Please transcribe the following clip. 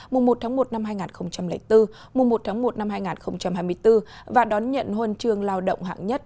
mùa một tháng một năm hai nghìn bốn mùa một tháng một năm hai nghìn hai mươi bốn và đón nhận huân trường lao động hạng nhất